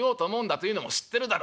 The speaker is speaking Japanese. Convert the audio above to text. というのも知ってるだろ？